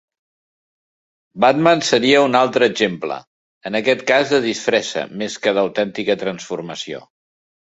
Batman seria un altre exemple, en aquest cas de disfressa més que d'autèntica transformació.